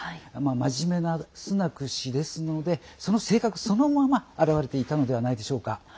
真面目なスナク氏ですのでその性格、そのまま表れていたのではないでしょうか。